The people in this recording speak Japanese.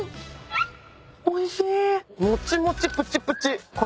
おいしい。